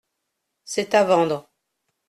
C’est à vendre.